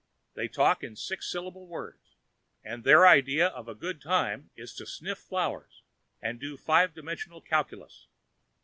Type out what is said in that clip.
They talk in six syllable words and their idea of a good time is to sniff flowers and do five dimensional calculus.